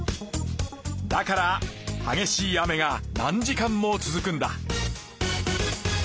だからはげしい雨が何時間も続くんだ。